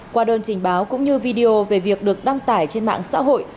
qua đơn trình báo cũng như video về việc được đăng tải trên mạng xã hội